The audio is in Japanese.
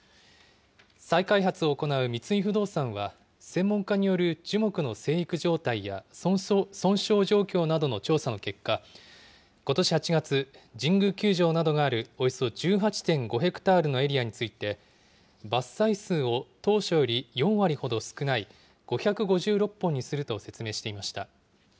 再開発を行う三井不動産は、専門家による樹木の生育状態や損傷状況などの調査の結果、ことし８月、神宮球場などがあるおよそ１８．５ヘクタールのエリアについて、伐採数を当初より４割ほど少ない、５５６本にすると説明していました。